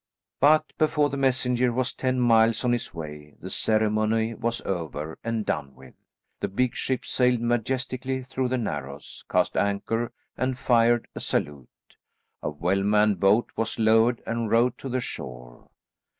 But before the messenger was ten miles on his way, the ceremony was over and done with. The big ship sailed majestically through the narrows, cast anchor and fired a salute. A well manned boat was lowered and rowed to the shore.